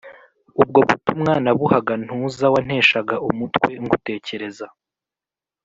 ubwo butumwa nabuhaga ntuza, wanteshaga umutwe ngutekereza